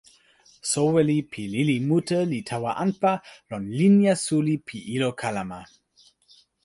soweli pi lili mute li tawa anpa lon linja suli pi ilo kalama.